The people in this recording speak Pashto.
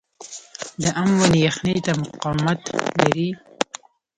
د ام ونې یخنۍ ته مقاومت لري؟